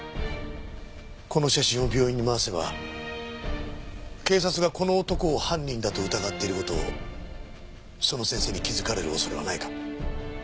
この写真を病院に回せば警察がこの男を犯人だと疑っている事をその先生に気づかれる恐れはないか？